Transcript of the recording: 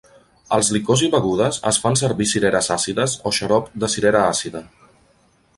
En licors i begudes es fan servir cireres àcides o xarop de cirera àcida.